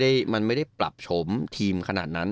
มันไม่ได้ปรับโฉมทีมขนาดนั้น